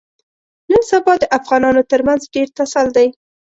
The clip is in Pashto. نن سبا د افغانانو ترمنځ ډېر ټسل دی.